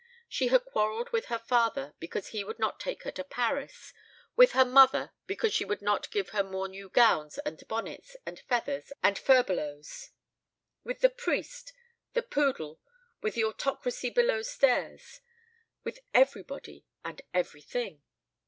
She had quarrelled with her father, because he would not take her to Paris; with her mother, because she would not give her more new gowns and bonnets and feathers and fur belows; with the priest, the poodle, with the autocracy below stairs, with everybody and everything.